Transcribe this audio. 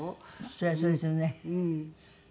それはそうですよね。